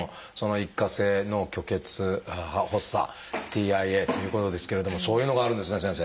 一過性脳虚血発作ＴＩＡっていうことですけれどもそういうのがあるんですね先生。